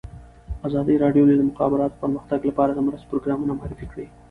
ازادي راډیو د د مخابراتو پرمختګ لپاره د مرستو پروګرامونه معرفي کړي.